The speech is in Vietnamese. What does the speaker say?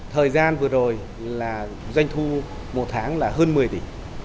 thời gian vừa rồi là doanh thu một tháng là hơn một mươi tỷ